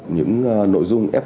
những nội dung f f một